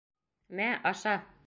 Мә, аша!